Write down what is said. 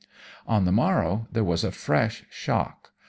"On the morrow there was a fresh shock.